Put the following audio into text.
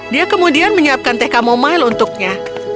dia kemudian menyiapkan teh kamomail untuknya